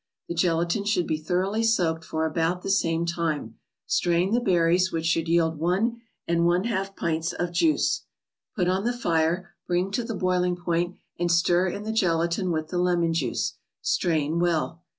The gelatine should be thoroughly soaked for about the same time ; strain the berries, which should yield one and one half pints of juice. Put on the fire, bring to the boiling point and stir in the gelatine with the lemon juice; strain well.